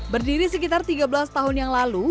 berdiri sekitar tiga belas tahun yang lalu